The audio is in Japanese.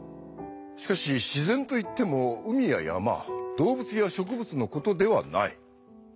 しかし自然といっても海や山動物や植物の事ではない。